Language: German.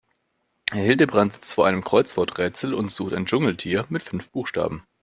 Herr Hildebrand sitzt vor einem Kreuzworträtsel und sucht ein Dschungeltier mit fünf Buchstaben.